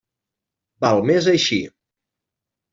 Val més així.